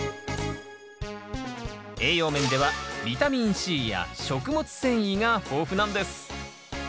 栄養面ではビタミンＣや食物繊維が豊富なんです